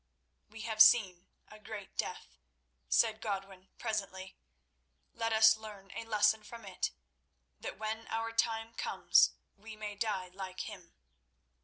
"We have seen a great death," said Godwin presently. "Let us learn a lesson from it, that when our time comes we may die like him."